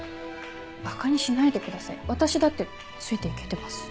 ばかにしないでください私だってついて行けてます。